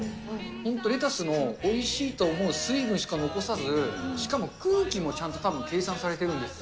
本当、レタスのおいしいと思う水分しか残さず、しかも、空気もちゃんとたぶん計算されてるんですよ。